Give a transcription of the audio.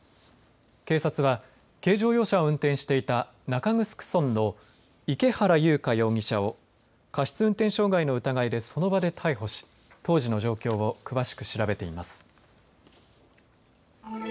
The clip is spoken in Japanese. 警察は軽乗用車を運転していた中城村の池原優香容疑者を過失運転傷害の疑いでその場で逮捕し当時の状況を詳しく調べています。